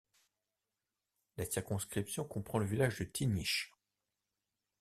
La circonscription comprend le village de Tignish.